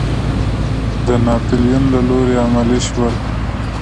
د ناپیلیون له لوري عملي شول.